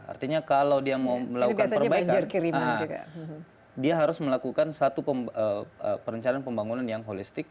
artinya kalau dia mau melakukan perbaikan dia harus melakukan satu perencanaan pembangunan yang holistik